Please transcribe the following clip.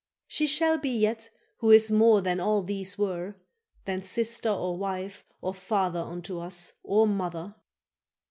—She shall be yet who is more than all these were, Than sister or wife or father unto us or mother.